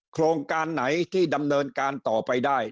โครงการไหนที่ดำเนินการต่อไปได้